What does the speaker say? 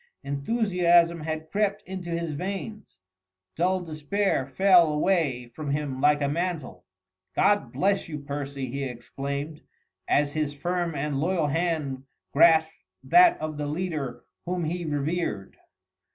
Enthusiasm had crept into his veins, dull despair fell away from him like a mantle. "God bless you, Percy," he exclaimed as his firm and loyal hand grasped that of the leader whom he revered.